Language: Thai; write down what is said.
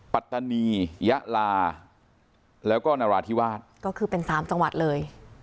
ปัตตานียะลาแล้วก็นราธิวาสก็คือเป็นสามจังหวัดเลย